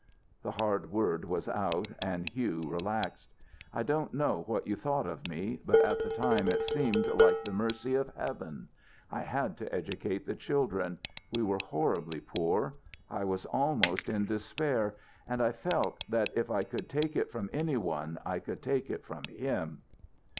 The hard word was out, and Hugh relaxed. "I don't know what you thought of me, but at the time it seemed like the mercy of Heaven. I had to educate the children. We were horribly poor. I was almost in despair. And I felt that if I could take it from any one I could take it from him